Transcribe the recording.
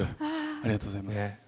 ありがとうございます。